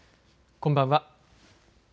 こんばんは。